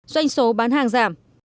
doanh số bán hàng giảm